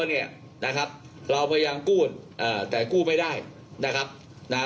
เนี่ยนะครับเราพยายามกู้เอ่อแต่กู้ไม่ได้นะครับนะฮะ